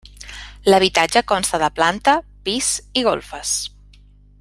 L'habitatge consta de planta, pis i golfes.